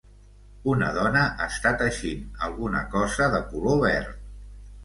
Una dona està teixint alguna cosa de color verd..